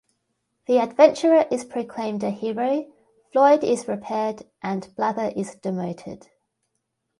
The adventurer is proclaimed a hero, Floyd is repaired, and Blather is demoted.